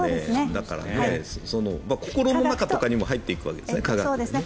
だから、心の中とかにも入っていくわけですよね